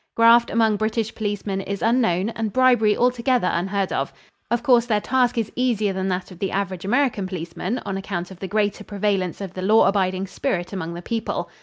Graft among British policemen is unknown and bribery altogether unheard of. Of course their task is easier than that of the average American policeman, on account of the greater prevalence of the law abiding spirit among the people.